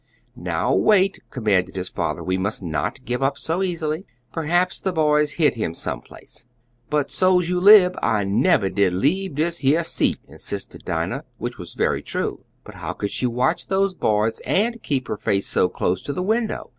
"Now wait," commanded his father, "we must not give up so easily. Perhaps the boys hid him some place." "But suah's you lib I nebber did leab dis yeah seat," insisted Dinah, which was very true. But how could she watch those boys and keep her face so close to the window?